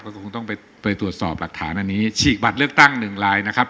ก็คงต้องไปตรวจสอบหลักฐานอันนี้ฉีกบัตรเลือกตั้งหนึ่งลายนะครับ